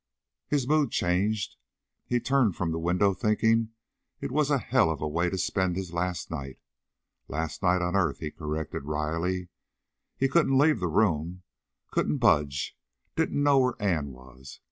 His mood changed. He turned from the window thinking it was a hell of a way to spend his last night. Last night on earth, he corrected wryly. He couldn't leave the room, couldn't budge, didn't know where Ann was.